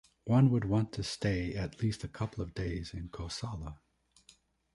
One would want to stay at least a couple of days in Cosala.